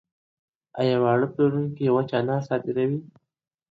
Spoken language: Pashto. ایا واړه پلورونکي وچ انار صادروي؟